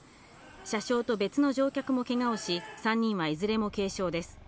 車掌と別の乗客もけがをし、３人はいずれも軽傷です。